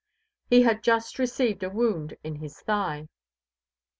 He had just received a wound in his thigh.